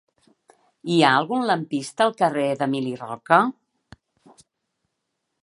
Hi ha algun lampista al carrer d'Emili Roca?